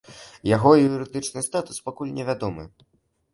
Яго юрыдычны статус пакуль не вядомы.